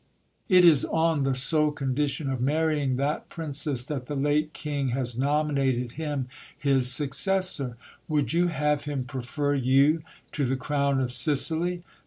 It is on the sole condition of marrying that princess, that the late king has nominated him his successor. Would you have him prefer you to the crown of Sicily